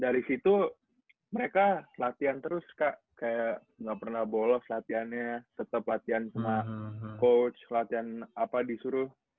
dari situ mereka latihan terus kak kayak nggak pernah bolos latihannya tetap latihan sama coach latihan apa disuruh